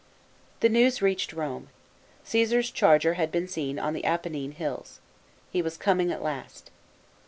The news reached Rome. Caesar's charger had been seen on the Apennine hills. He was coming at last.